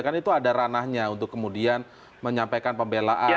kan itu ada ranahnya untuk kemudian menyampaikan pembelaan